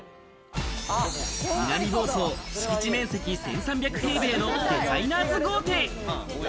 南房総、敷地面積１３００平米のデザイナーズ豪邸。